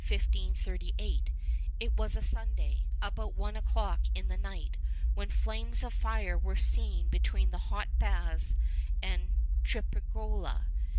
It was on a Sunday, about one o'clock in the night, when flames of fire were seen between the hot baths and Tripergola.